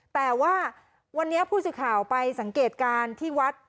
แต่ว่าวันนี้ผู้สื่อข่าวไปสังเกตการณ์ที่วัด